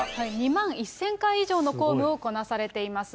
２万１０００回以上の公務をこなされています。